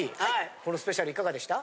このスペシャルいかがでした？